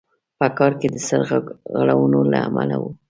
په کار کې د سرغړونو له امله وو.